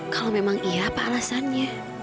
kalau memang iya apa alasannya